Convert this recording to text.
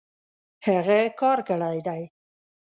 هغۀ کار کړی دی